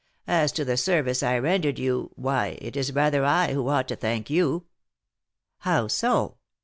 As to the service I rendered you, why, it is rather I who ought to thank you." "How so?"